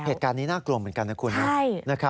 เหตุการณ์นี้น่ากลัวเหมือนกันนะคุณนะ